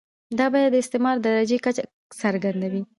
دا بیه د استثمار د درجې کچه څرګندوي